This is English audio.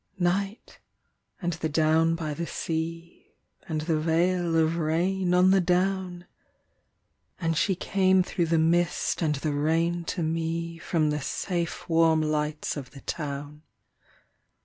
NIGHT, and the down by the sea, And the veil of rain on the down; And she came through the mist and the rain to me From the safe warm lights of the town.